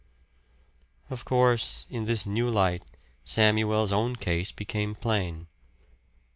Of course, in this new light Samuel's own case became plain.